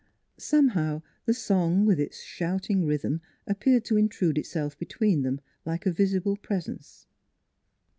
Somehow the song with its shouting rhythm appeared to intrude itself between them like a visible presence.